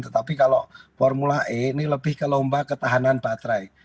tetapi kalau formula e ini lebih ke lomba ketahanan baterai